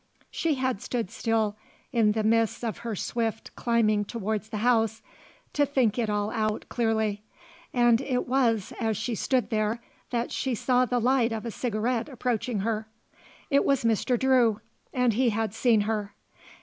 She had stood still, in the midst of her swift climbing towards the house, to think it all out clearly, and it was as she stood there that she saw the light of a cigarette approaching her. It was Mr. Drew and he had seen her.